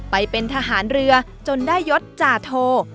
ไปเป็นทหารเรือจนได้ยศจาโท